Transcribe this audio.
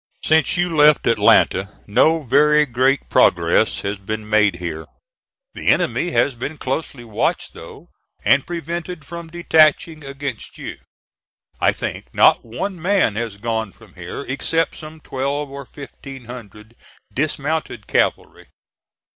Since you left Atlanta, no very great progress has been made here. The enemy has been closely watched though, and prevented from detaching against you. I think not one man has gone from here, except some twelve or fifteen hundred dismounted cavalry.